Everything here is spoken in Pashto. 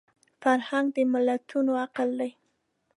فرهنګ د ملتونو عقل دی